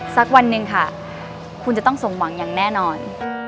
สักวันหนึ่งค่ะคุณจะต้องสมหวังอย่างแน่นอน